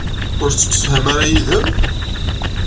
Ur tettemsefham ara yid-m?